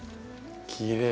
きれい。